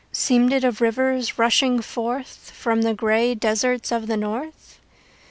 Seemed it of rivers rushing forth From the grey deserts of the north?